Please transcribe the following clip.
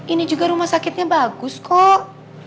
ini juga rumah sakitnya bagus kok